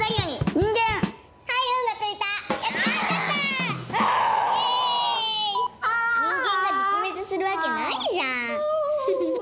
人間が絶滅するわけないじゃんフフフ。